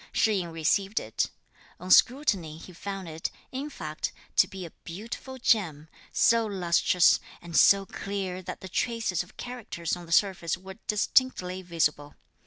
Shih yin received it. On scrutiny he found it, in fact, to be a beautiful gem, so lustrous and so clear that the traces of characters on the surface were distinctly visible.